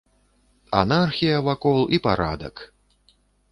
Анархія вакол і парадак!